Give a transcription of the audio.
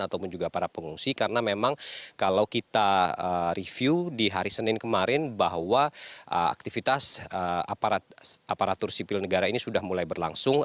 ataupun juga para pengungsi karena memang kalau kita review di hari senin kemarin bahwa aktivitas aparatur sipil negara ini sudah mulai berlangsung